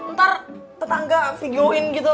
ntar tetangga videoin gitu